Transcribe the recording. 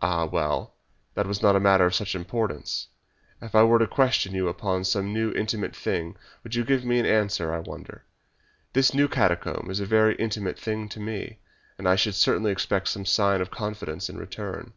"Ah, well, that was not a matter of much importance. If I were to question you upon some intimate thing would you give me an answer, I wonder! This new catacomb is a very intimate thing to me, and I should certainly expect some sign of confidence in return."